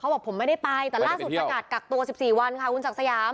บอกผมไม่ได้ไปแต่ล่าสุดประกาศกักตัว๑๔วันค่ะคุณศักดิ์สยาม